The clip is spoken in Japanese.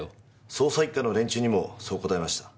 捜査一課の連中にもそう答えました。